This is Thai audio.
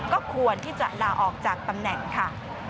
ก็ควรที่จะลาออกจากตำแหน่งค่ะ